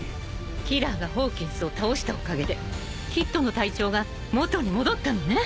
［キラーがホーキンスを倒したおかげでキッドの体調が元に戻ったのね］